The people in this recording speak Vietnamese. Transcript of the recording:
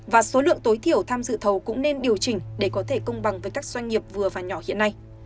và số lượng tối thiểu tham dự thầu cũng nên điều chỉnh để có thể công bằng với các doanh nghiệp vừa và nhỏ hiện nay